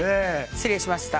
失礼しました。